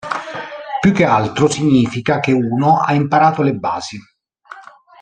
Più che altro significa che uno ha imparato le basi.